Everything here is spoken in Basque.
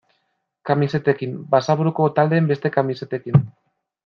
Kamisetekin, Basaburuko taldeen beste kamisetekin...